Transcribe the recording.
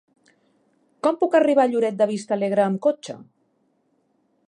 Com puc arribar a Lloret de Vistalegre amb cotxe?